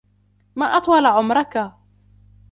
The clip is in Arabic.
مَا أَطْوَلَ عُمُرَك